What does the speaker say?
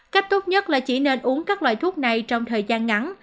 cách tốt nhất là chỉ nên uống các loại thuốc này trong thời gian ngắn